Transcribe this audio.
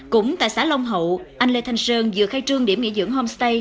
cũng tại xã long hậu anh lê thanh sơn vừa khai trương điểm nghỉ dưỡng homestay